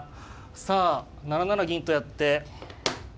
さあ７七銀とやって。